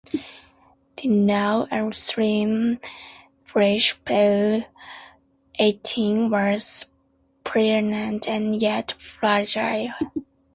Dinah, a slim, fresh, pale eighteen, was pliant and yet fragile.